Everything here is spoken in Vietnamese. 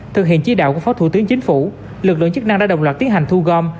thực hiện chỉ đạo của phó thủ tướng chính phủ lực lượng chức năng đã đồng loạt tiến hành thu gom